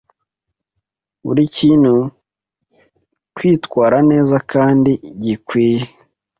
buri kintu kwitwara neza kandi gikwiye